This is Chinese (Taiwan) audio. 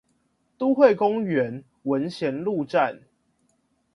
都會公園文賢路站